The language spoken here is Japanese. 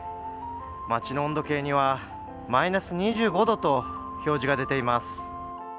町の温度計にはマイナス２５度と表示が出ています。